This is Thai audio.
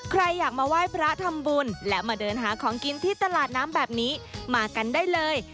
ใครอยากมาไหว้พระทำบุญและมาเดินหาของกินที่ตลาดน้ำแบบนี้มากันได้เลย